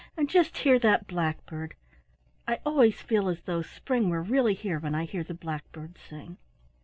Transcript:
"And just hear that blackbird! I always feel as though spring were really here when I hear the blackbirds sing."